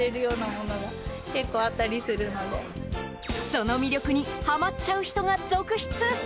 その魅力にはまっちゃう人が続出。